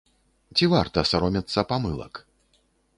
Ці варта саромецца памылак?